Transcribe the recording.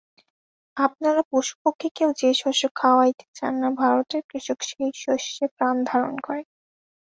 আপনারা পশু-পক্ষীকেও যে শস্য খাওয়াইতে চান না, ভারতের কৃষক সেই শস্যে প্রাণধারণ করে।